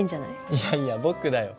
いやいや僕だよ。